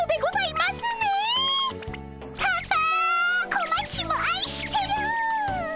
こまちもあいしてる！